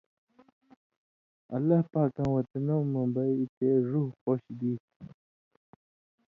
اللہ پاکاں وطنؤں مہ بئ تے ڙُوہہۡ خوش بی تُھو“۔